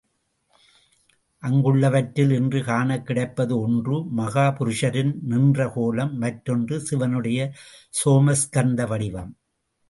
அங்குள்ளவற்றில் இன்று காணக் கிடைப்பது ஒன்று மகாபுருஷரின் நின்ற கோலம், மற்றொன்று சிவனுடைய சோமாஸ்கந்த வடிவம்.